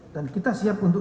dan kita siap untuk